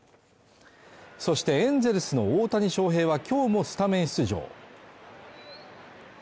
そしてエンゼルスの大谷翔平は今日もスタメン出場。